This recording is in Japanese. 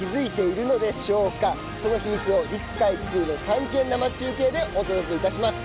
その秘密を陸・海・空の３元生中継でお届けいたします。